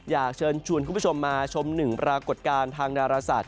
อยากเชิญชวนคุณผู้ชมมาชมหนึ่งปรากฏการณ์ทางดาราศาสต